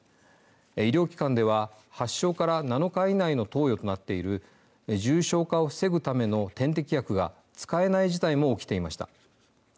医療機関では発症から７日以内の投与となっている重症化を防ぐための点滴薬が使えない事態も起きていました。